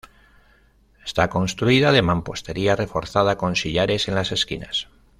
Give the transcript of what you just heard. Está construida de mampostería reforzada con sillares en las esquinas.